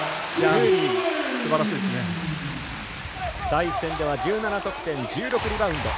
第一戦では１７得点１６リバウンド。